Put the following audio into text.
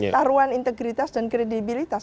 taruhan integritas dan kredibilitas